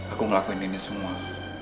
aku ngelakuin ini semua